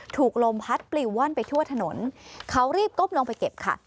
ถูกลมพัดปลิวว่อนไปทั่วถนนเขารีบก้มลงไปเก็บค่ะ